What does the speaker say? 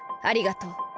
ありがとう。